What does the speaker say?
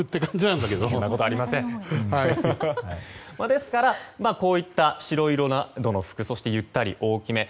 ですから、白色などの服そして、ゆったり大きめ。